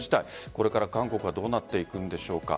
これから韓国はどうなっていくんでしょうか。